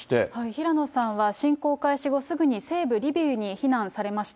平野さんは侵攻開始後すぐに西部リビウに避難されました。